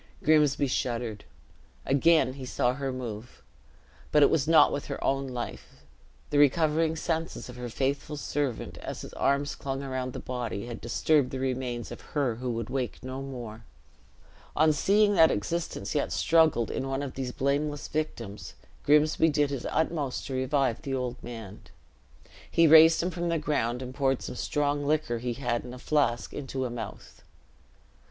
Grimsby shuddered. Again he saw her move; but it was not with her own life; the recovering senses of her faithful servant, as his arms clung around the body, had disturbed the remains of her who would wake no more. On seeing that existence yet struggled in one of these blameless victims, Grimsby did his utmost to revive the old man. He raised him from the ground, and poured some strong liquor he had in a flask into a mouth.